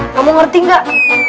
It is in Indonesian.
kamu ngerti gak